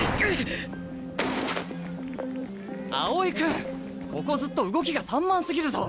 青井君ここずっと動きが散漫すぎるぞ！